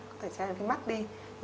có thể che một cái mắt đi